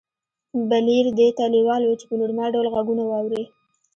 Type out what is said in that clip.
بلییر دې ته لېوال و چې په نورمال ډول غږونه واوري